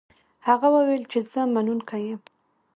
هغه وویل چې زه منونکی یم.